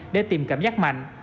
để tìm cảm giác mạnh